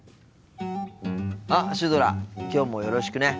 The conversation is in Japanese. あっシュドラきょうもよろしくね。